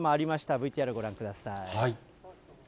ＶＴＲご覧ください。